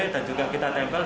dan juga kita tempel